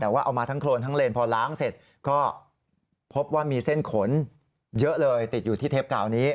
แต่ว่าเอามาทั้งโครนทั้งเลนพอล้างเสร็จก็พบว่ามีเส้นขนเยอะเลยติดอยู่ที่เทปเก่านี้